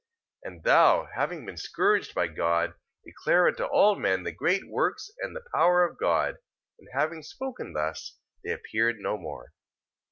3:34. And thou having been scourged by God, declare unto all men the great works and the power of God. And having spoken thus, they appeared no more.